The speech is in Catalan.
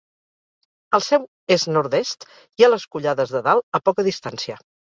Al seu est-nord-est hi ha les Collades de Dalt, a poca distància.